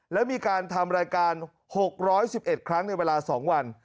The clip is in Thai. และมีการทำรายการ๖๑๑ครั้งในเวลา๒วัน